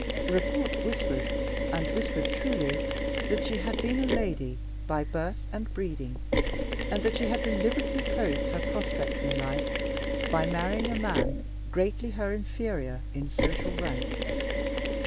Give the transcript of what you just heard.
Report whispered (and whispered truly) that she had been a lady by birth and breeding, and that she had deliberately closed her prospects in life by marrying a man greatly her inferior in social rank.